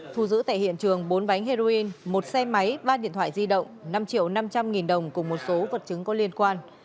thu giữ tại hiện trường bốn bánh heroin một xe máy ba điện thoại di động năm triệu năm trăm linh nghìn đồng cùng một số vật chứng có liên quan